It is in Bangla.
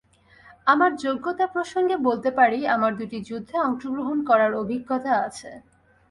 আমার যোগ্যতা প্রসঙ্গে বলতে পারি, আমার দুটি যুদ্ধে অংশগ্রহণ করার অভিজ্ঞতা আছে।